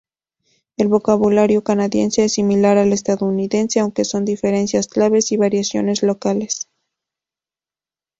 El vocabulario canadiense es similar al estadounidense, aunque con diferencias claves y variaciones locales.